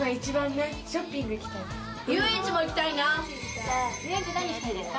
女性：遊園地で何したいですか？